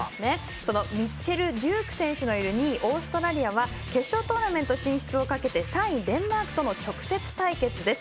そのミッチェル・デューク選手のいる２位オーストラリアは決勝トーナメント進出をかけて３位デンマークとの直接対決です。